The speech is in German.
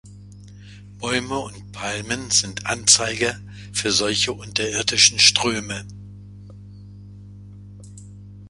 Bäume und Palmen sind Anzeiger für solche unterirdischen Ströme.